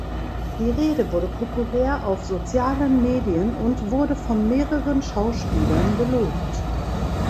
Die Rede wurde populär auf sozialen Medien und wurde von mehreren Schauspielern gelobt.